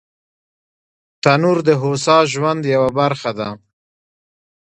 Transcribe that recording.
تنور د هوسا ژوند یوه برخه ده